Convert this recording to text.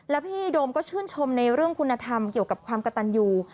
แล้วพี่โดมก็ชื่นชมในเรื่องคุณธรรมเกี่ยวกับความกระตันอยู่